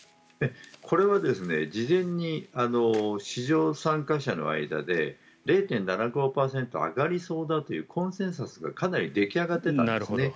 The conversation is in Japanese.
これは事前に市場参加者の間で０．７５％上がりそうだというコンセンサスがかなり出来上がっていたんですね。